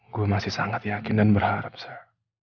gua masih sangat yakin dan berharap sir